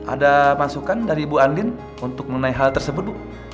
ada masukan dari bu andin untuk mengenai hal tersebut bu